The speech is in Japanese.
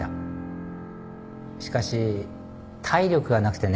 しかし体力がなくてね。